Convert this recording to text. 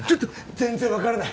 全然わからない。